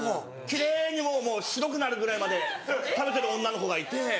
奇麗に白くなるぐらいまで食べてる女の子がいて。